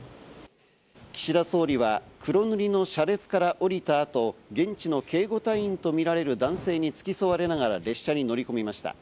岸田総理は黒塗りの車列から降りた後、現地の警護隊員とみられる男性につき添われながら列車に乗り込みました。